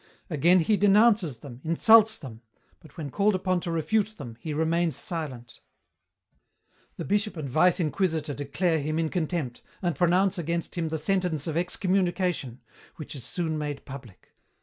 "Again he denounces them, insults them, but when called upon to refute them he remains silent. "The Bishop and Vice Inquisitor declare him in contempt and pronounce against him the sentence of excommunication, which is soon made public.